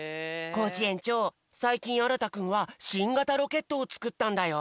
コージえんちょうさいきんあらたくんはしんがたロケットをつくったんだよ。